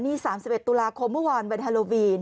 นี่๓๑ตุลาคมเมื่อวานวันฮาโลวีน